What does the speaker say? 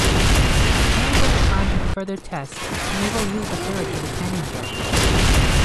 Unable to fund further tests, Knievel used the third for the canyon jump.